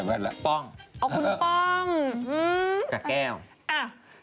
สายแวดละป้องก่อนกับแก้วอ๋อคุณป้อง